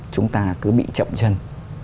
chúng ta cứ bị chậm chân